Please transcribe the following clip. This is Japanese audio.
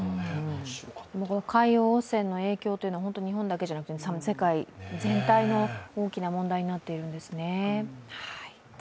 海洋汚染の影響というのは日本だけじゃなくて世界全体の大きな問題になっているんですね。